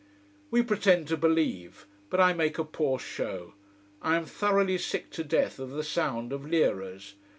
We pretend to believe: but I make a poor show. I am thoroughly sick to death of the sound of liras.